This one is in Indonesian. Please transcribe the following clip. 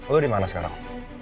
lo dimana sekarang